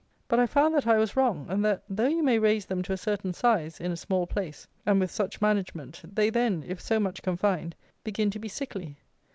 But I found that I was wrong; and that, though you may raise them to a certain size, in a small place and with such management, they then, if so much confined, begin to be sickly.